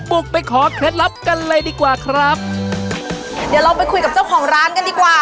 บุกไปขอเคล็ดลับกันเลยดีกว่าครับเดี๋ยวเราไปคุยกับเจ้าของร้านกันดีกว่า